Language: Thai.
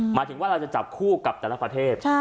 หมายถึงว่าเราจะจับคู่กับแต่ละประเทศ